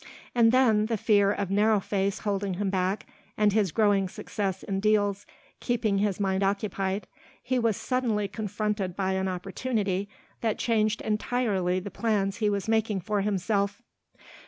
And then, the fear of Narrow Face holding him back and his growing success in deals keeping his mind occupied, he was suddenly confronted by an opportunity that changed entirely the plans he was making for himself.